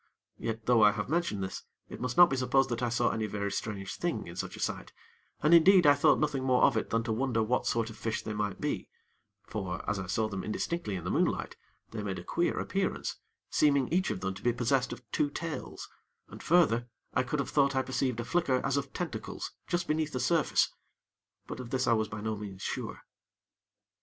Yet, though I have mentioned this, it must not be supposed that I saw any very strange thing in such a sight, and indeed, I thought nothing more of it than to wonder what sort of fish they might be; for, as I saw them indistinctly in the moonlight, they made a queer appearance, seeming each of them to be possessed of two tails, and further, I could have thought I perceived a flicker as of tentacles just beneath the surface; but of this I was by no means sure.